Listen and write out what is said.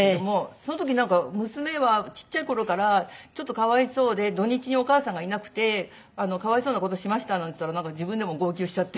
その時「娘はちっちゃい頃からちょっとかわいそうで土日にお母さんがいなくてかわいそうな事しました」なんて言ったら自分でも号泣しちゃって。